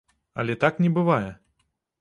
Але так не бывае.